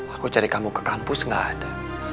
aku cari kamu ke kampus gak ada